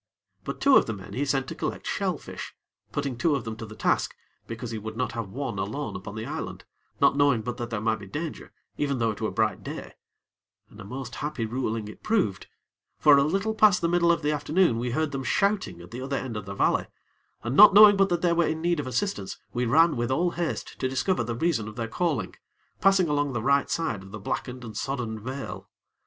But two of the men he sent to collect shell fish putting two of them to the task, because he would not have one alone upon the island, not knowing but that there might be danger, even though it were bright day; and a most happy ruling it proved; for, a little past the middle of the afternoon, we heard them shouting at the other end of the valley, and, not knowing but that they were in need of assistance, we ran with all haste to discover the reason of their calling, passing along the right hand side of the blackened and sodden vale.